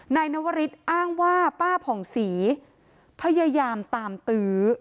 นายนวริสอ้างว่าป้าผ่องศรีพยายามตามตื้อ